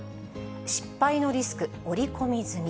失敗のリスク織り込み済み？